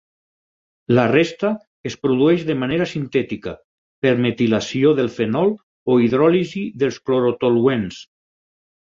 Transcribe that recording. La resta es produeix de manera sintètica, per metilació del fenol o hidròlisi dels clorotoluens.